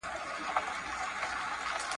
د دولت پیل د یو نوي ماشوم په څیر دی.